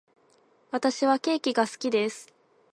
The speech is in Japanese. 私はケーキが好きです。